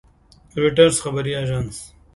رویټرز خبري اژانس